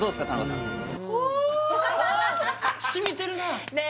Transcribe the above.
しみてるなね